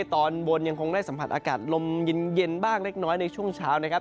ตอนบนยังคงได้สัมผัสอากาศลมเย็นบ้างเล็กน้อยในช่วงเช้านะครับ